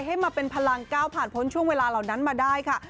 ให้มาเป็นพลังก้าวผ่านพ้นช่วงเวลาเหล่านั้นมาได้ค่ะ